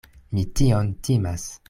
Mi tion timas.